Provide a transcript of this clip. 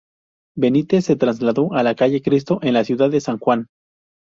Benitez se trasladó a la Calle Cristo en la ciudad de San Juan.